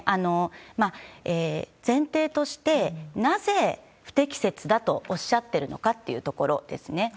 前提として、なぜ不適切だとおっしゃってるのかというところですね。